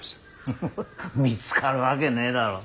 フフフ見つかるわけねえだろ。